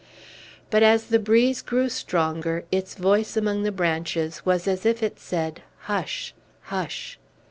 But, as the breeze grew stronger, its voice among the branches was as if it said, "Hush! Hush!"